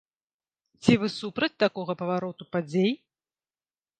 Ці вы супраць такога павароту падзей?